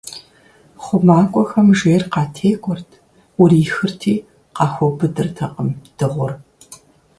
Хъумакӏуэхэм жейр къатекӀуэрт, Ӏурихырти, къахуэубыдыртэкъым дыгъур.